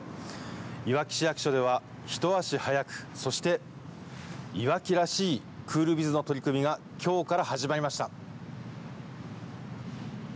いわき市役所では一足早くそして、いわきらしいクールビズの取り組みがきょうから始まりました。